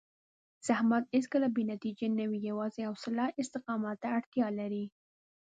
زحمت هېڅکله بې نتیجې نه وي، یوازې حوصله او استقامت ته اړتیا لري.